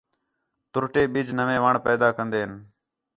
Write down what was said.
تُرٹے بِج نوئے وݨ پیدا کندیں